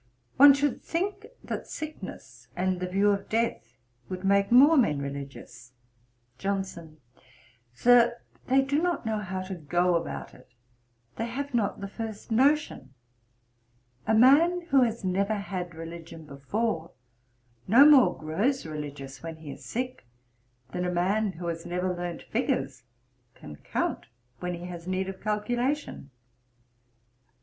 'One should think that sickness and the view of death would make more men religious.' JOHNSON. 'Sir, they do not know how to go about it: they have not the first notion. A man who has never had religion before, no more grows religious when he is sick, than a man who has never learnt figures can count when he has need of calculation.'